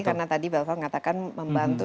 karena tadi belva mengatakan membantu